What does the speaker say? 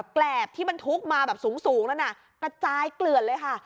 แกรบที่มันทุกมาสูงแล้วน่ะกระจายเกลือนเลยค่ะ